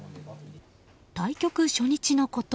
対局初日のこと。